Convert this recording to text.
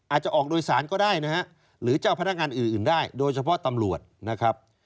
อาจจะออกโดยสารก็ได้นะฮะหรือเจ้าพนักงานอื่นได้โดยเฉพาะตำรวจนะครับ